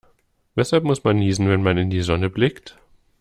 Weshalb muss man niesen, wenn man in die Sonne blickt?